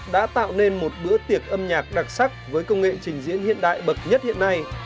đã tạo nên một bữa tiệc âm nhạc đặc sắc với công nghệ trình diễn hiện đại bậc nhất hiện nay